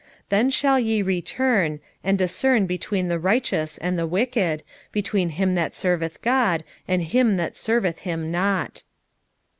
3:18 Then shall ye return, and discern between the righteous and the wicked, between him that serveth God and him that serveth him not.